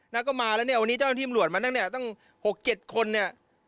นะก็มาแล้วเนี่ยวันนี้เจ้าท่านที่มรวดมาตั้งตั้ง๖๗คนเนี่ย